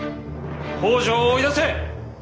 北条を追い出せ！